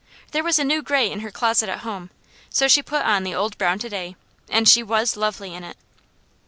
There was a new gray in her closet at home, so she put on the old brown to day, and she was lovely in it.